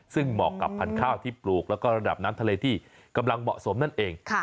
ซึ่งเหมาะกับพันธุ์ข้าวที่ปลูกแล้วก็ระดับน้ำทะเลที่กำลังเหมาะสมนั่นเอง